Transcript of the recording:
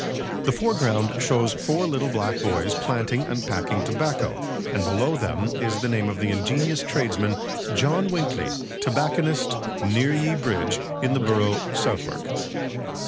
The foreground shows four little black boys planting and packing tobacco, and below them is the name of the ingenious tradesman "John Winkley, Tobacconist, near ye Bridge, in the Burrough, Southwark."